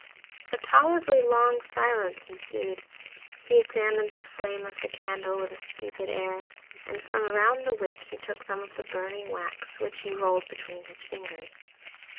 A tolerably long silence ensued. He examined the flame of the candle with a stupid air, and from around the wick he took some of the burning wax, which he rolled between his fingers.